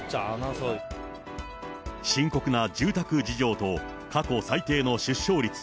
深刻な住宅事情と、過去最低の出生率。